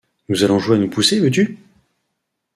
Nous allons jouer à nous pousser, veux-tu ?